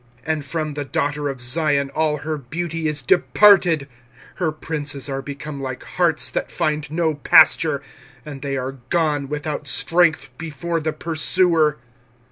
25:001:006 And from the daughter of Zion all her beauty is departed: her princes are become like harts that find no pasture, and they are gone without strength before the pursuer.